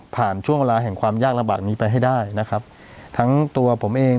ช่วงเวลาแห่งความยากลำบากนี้ไปให้ได้นะครับทั้งตัวผมเอง